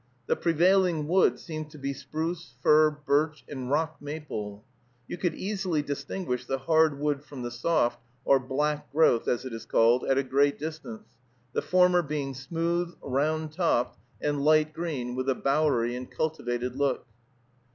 The prevailing wood seemed to be spruce, fir, birch, and rock maple. You could easily distinguish the hard wood from the soft, or "black growth," as it is called, at a great distance, the former being smooth, round topped, and light green, with a bowery and cultivated look.